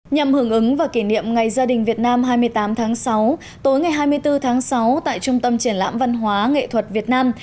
nhằm hưởng ứng và kỷ niệm ngày gia đình việt nam hai mươi tám tháng sáu tối ngày hai mươi bốn tháng sáu tại trung tâm triển lãm văn hóa nghệ thuật việt nam